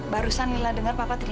barusan lila dengar papa teriak teriak